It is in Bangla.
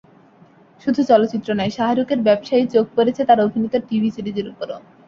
শুধু চলচ্চিত্র নয়, শাহরুখের ব্যবসায়ী চোখ পড়েছে তাঁর অভিনীত টিভি সিরিজের ওপরও।